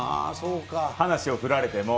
話を振られても。